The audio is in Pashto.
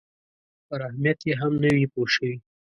پر اهمیت یې هم نه وي پوه شوي.